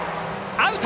アウト。